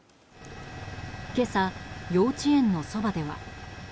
今朝、幼稚園のそばでは。